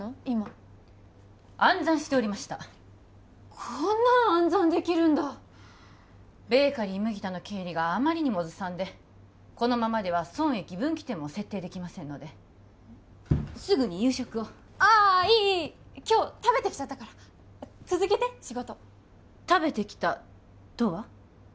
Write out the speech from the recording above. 今暗算しておりましたこんなん暗算できるんだベーカリー麦田の経理があまりにもずさんでこのままでは損益分岐点も設定できませんのですぐに夕食をああいい今日食べてきちゃったから続けて仕事食べてきたとは？